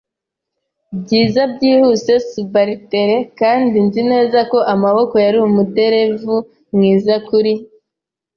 byiza, byihuse subaltern, kandi nzi neza ko Amaboko yari umuderevu mwiza, kuri